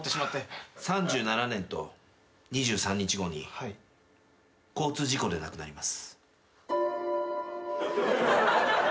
３７年と２３日後に交通事故で亡くなります。